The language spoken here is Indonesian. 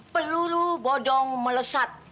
peluru bodong melesat